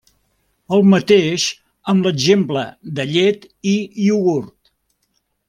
El mateix amb l'exemple de llet i iogurt.